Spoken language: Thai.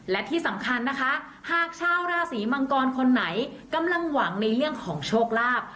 และที่สำคัญนะคะหากชาวราศีมังกรคนไหนกำลังหวังในเรื่องของโชคลาภ